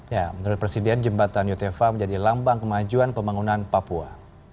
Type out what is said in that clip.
ya menurut presiden jembatan yotefa menjadi lambang kemajuan pembangunan papua